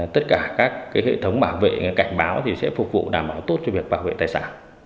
tất cả các hệ thống bảo vệ cảnh báo sẽ phục vụ đảm bảo tốt cho việc bảo vệ tài sản